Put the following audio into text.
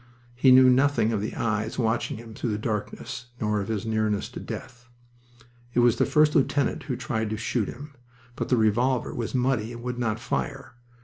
He knew nothing of the eyes watching him through the darkness nor of his nearness to death. It was the first lieutenant who tried to shoot him. But the revolver was muddy and would not fire.